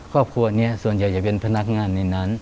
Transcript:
ครอบครัวนี้ส่วนใหญ่จะเป็นพนักงานในนั้น